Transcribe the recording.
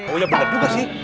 oh iya bener juga sih